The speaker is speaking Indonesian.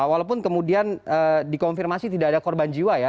walaupun kemudian dikonfirmasi tidak ada korban jiwa ya